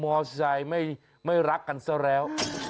อไซค์ไม่รักกันซะแล้ว